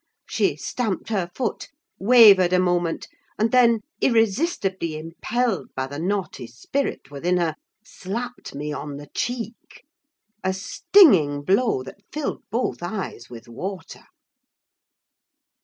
She stamped her foot, wavered a moment, and then, irresistibly impelled by the naughty spirit within her, slapped me on the cheek: a stinging blow that filled both eyes with water.